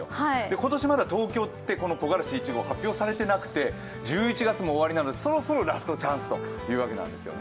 今年まだ東京って木枯らし１号発表されてなくて１１月も終わりなのでそろそろラストチャンスというわけなんです。